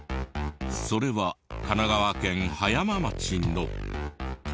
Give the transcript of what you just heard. それは神奈川県葉山町の。